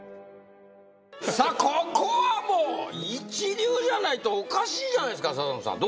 さあここはもう一流じゃないとおかしいじゃないですか笹野さん